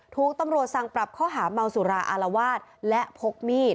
ถูกตำรวจสั่งปรับข้อหาเมาสุราอารวาสและพกมีด